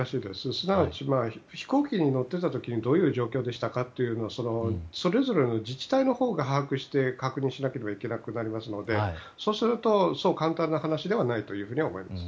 すなわち飛行機に乗っていた時にどういう状況だったのかそれぞれの自治体のほうが把握して、確認しないといけなくなりますのでそうすると、そう簡単な話ではないと思います。